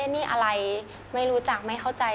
นี่อะไรไม่รู้จักไม่เข้าใจ